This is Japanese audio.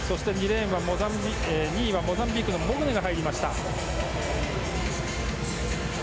２位はモザンビークのモグネが入りました。